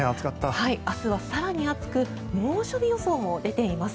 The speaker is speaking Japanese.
明日は更に暑く猛暑日予想も出ています。